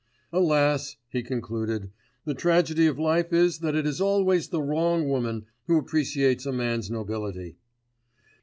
"Alas!" he concluded. "The tragedy of life is that it is always the wrong woman who appreciates a man's nobility."